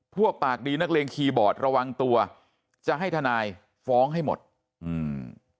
พวกปากดีนักเลงคีย์บอร์ดระวังตัวจะให้ทนายฟ้องให้หมดอืม